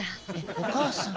お母さん！